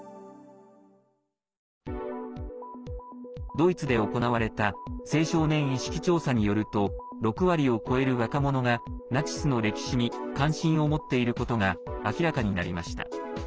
ドイツで行われた青少年意識調査によると６割を超える若者がナチスの歴史に関心を持っていることが明らかになりました。